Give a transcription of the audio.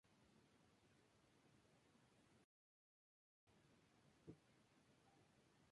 La guerra cambió desde entonces de escenario, y se prolongó por dos años más.